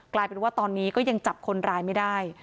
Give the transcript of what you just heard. กลายเป็นว่าตอนนี้ก็ยังจับคนร้ายไม่ได้